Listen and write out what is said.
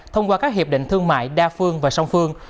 thông qua các hiệp định thương mại đa phương và song phương